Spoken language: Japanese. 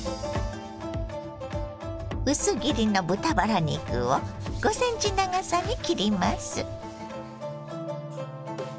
薄切りの豚バラ肉を５ｃｍ長さに切ります。